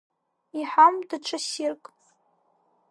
Иҳамоуп даҽа ссирк…